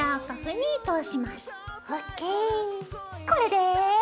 これで。